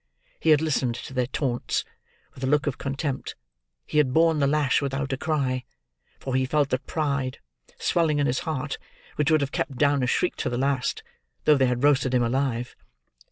He had listened to their taunts with a look of contempt; he had borne the lash without a cry: for he felt that pride swelling in his heart which would have kept down a shriek to the last, though they had roasted him alive.